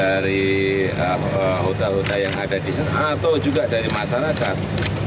dari hotel hotel yang ada di sana atau juga dari masyarakat